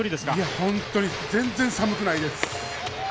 本当に、全然寒くないです